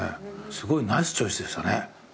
すごいナイスチョイスでしたね。